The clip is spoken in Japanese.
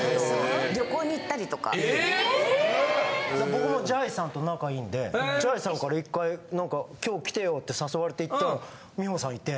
・僕もじゃいさんと仲いいんでじゃいさんから１回なんか「今日来てよ」って誘われて行ったら美穂さんいて。